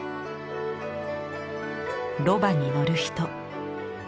ロバに乗る人。